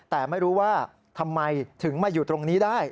แต่ไม่รู้ว่าทำไมถึงมาอยู่ตรงนี้ได้